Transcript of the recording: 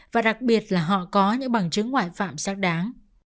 và đặc biệt là họ có những bằng chứng ngoại phạm xác đáng